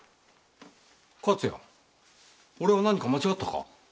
勝谷俺は何か間違ったか？